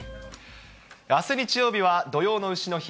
あす日曜日は土用のうしの日。